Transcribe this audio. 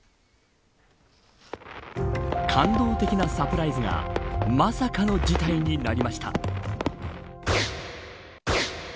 感動的なサプライズがまさかの事態になりました。